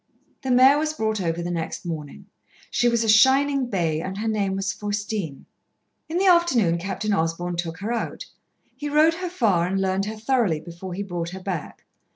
The mare was brought over the next morning. She was a shining bay, and her name was Faustine. In the afternoon Captain Osborn took her out. He rode her far and learned her thoroughly before he brought her back.